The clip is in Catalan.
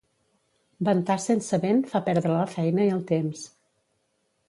Ventar sense vent fa perdre la feina i el temps.